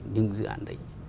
những dự án